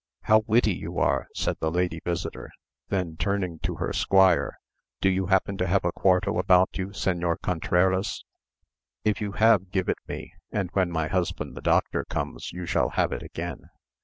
"How witty you are," said the lady visitor; then turning to the squire, "Do you happen to have a quarto about you, Señor Contreras? if you have, give it me, and when my husband the doctor comes you shall have it again."